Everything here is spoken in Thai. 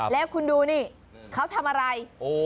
แล้วคุณดูนี่เขาทำอะไร